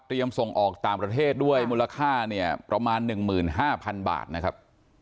เตรียมส่งออกต่างประเทศด้วยอ่ามูลค่าเนี้ยประมาณหนึ่งหมื่นห้าพันบาทนะครับ